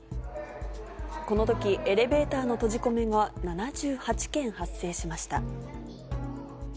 このとき、エレベーターの閉じ込めが７８件発生しました。